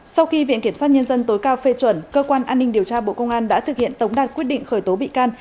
sau khi viện kiểm sát nhân dân tối cao phê chuẩn cơ quan an ninh điều tra bộ công an đã thực hiện tống đạt quyết định khởi tố bị can